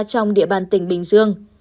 trong địa bàn tỉnh bình dương